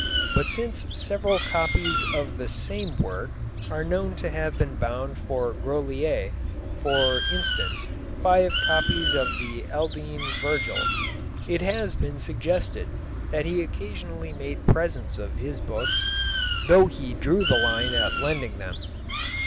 But since several copies of the same work are known to have been bound for Grolier for instance, five copies of the Aldine Virgil it has been suggested that he occasionally made presents of his books, though he drew the line at lending them.